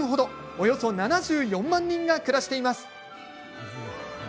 およそ７４万人が暮らしています。